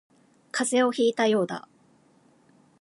風邪をひいたようだ